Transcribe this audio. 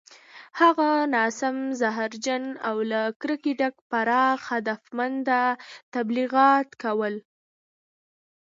هغه ناسم، زهرجن او له کرکې ډک پراخ هدفمند تبلیغات کول